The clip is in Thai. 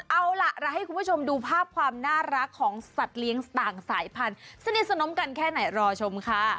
เอาล่ะเราให้คุณผู้ชมดูภาพความน่ารักของสัตว์เลี้ยงต่างสายพันธุ์สนิทสนมกันแค่ไหนรอชมค่ะ